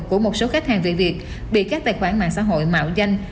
của một số khách hàng về việc bị các tài khoản mạng xã hội mạo danh